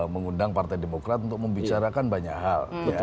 mengundang partai demokrat untuk membicarakan banyak hal